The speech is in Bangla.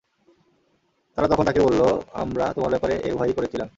তারা তখন তাঁকে বলল, আমরা তোমার ব্যাপারে এর ভয়ই করেছিলাম।